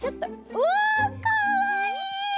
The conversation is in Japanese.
うわかわいい！